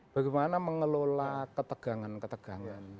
bagaimana mengelola ketegangan ketegangan